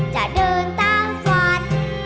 จะเดินตามฝัน